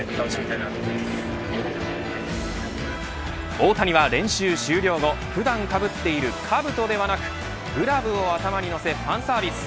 大谷は練習終了後普段かぶっているかぶとではなくグラブを頭に乗せファンサービス。